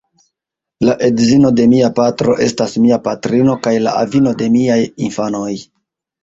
La edzino de mia patro estas mia patrino kaj la avino de miaj infanoj.